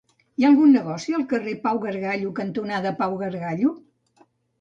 Hi ha algun negoci al carrer Pau Gargallo cantonada Pau Gargallo?